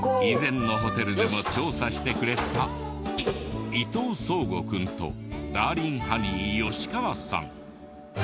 以前のホテルでも調査してくれた伊藤壮吾君とダーリンハニー吉川さん。